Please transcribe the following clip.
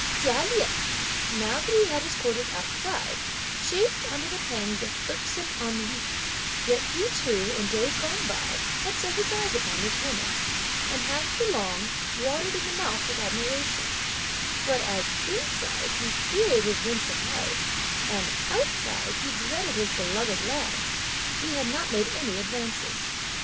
Chia Lien, now that he had his quarters outside, chafed under the pangs of irksome ennui, yet he too, in days gone by, had set his eyes upon this woman, and had for long, watered in the mouth with admiration; but as, inside, he feared his winsome wife, and outside, he dreaded his beloved lads, he had not made any advances.